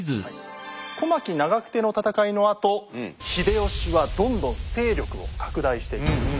小牧・長久手の戦いのあと秀吉はどんどん勢力を拡大していきます。